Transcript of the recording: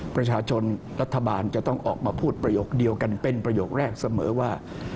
ประชาชนรัฐบาลจะต้องออกมาพูดประโยคเดียวกันเป็นประโยคแรกเสมอว่า